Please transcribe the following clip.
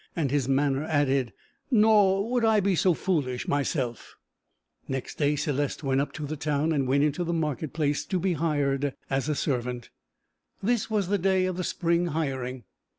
and his manner added 'nor would I be so foolish myself.' Next day Céleste went up to the town, and went into the market place to be hired as a servant. This was the day of the spring hiring.